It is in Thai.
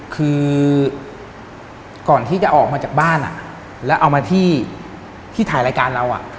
คือก่อนที่จะออกมาจากบ้านแล้วเอามาที่ถ่ายรายการเรา